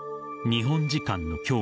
日本時間の今日